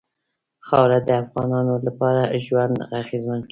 خاوره د افغانانو ژوند اغېزمن کوي.